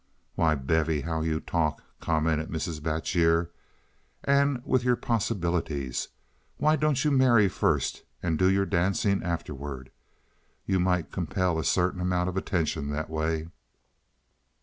"Why, Bevy, how you talk!" commented Mrs. Batjer. "And with your possibilities. Why don't you marry first, and do your dancing afterward? You might compel a certain amount of attention that way."